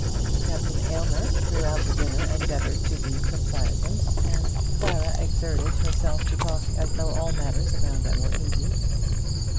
Captain Aylmer, throughout the dinner, endeavoured to be complaisant, and Clara exerted herself to talk as though all matters around them were easy.